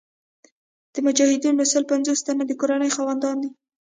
د مجاهدینو سل پنځوس تنه د کورنۍ خاوندان دي.